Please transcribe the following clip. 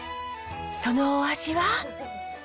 そのお味は？